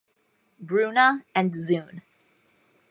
Bruna and Zoon.